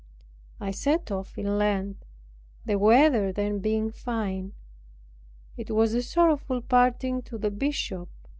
I set off in Lent, the weather then being fine. It was a sorrowful parting to the Bishop.